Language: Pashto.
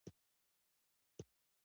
کیسۍ